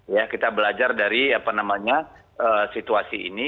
ya kita belajar dari apa namanya situasi ini